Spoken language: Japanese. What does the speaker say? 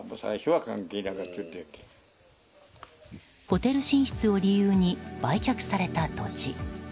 ホテル進出を理由に売却された土地。